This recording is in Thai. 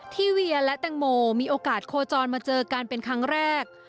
เวียและแตงโมมีโอกาสโคจรมาเจอกันเป็นครั้งแรก